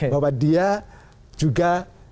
bahwa dia juga